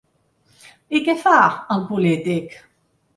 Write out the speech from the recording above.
I què fa el polític?